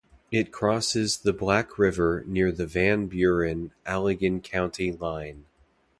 It crosses the Black River near the Van Buren-Allegan county line.